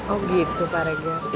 oh gitu pak regat